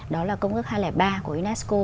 đó là công ước hai trăm linh ba của unesco